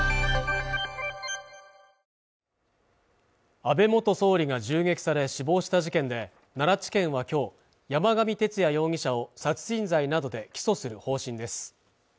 安倍元総理が銃撃され死亡した事件で奈良地検はきょう山上徹也容疑者を殺人罪などで起訴する方針です